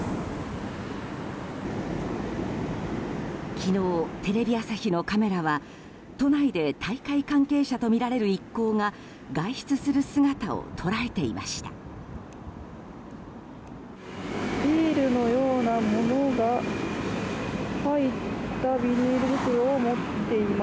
昨日、テレビ朝日のカメラは都内で大会関係者とみられる一行が外出する姿を捉えていました。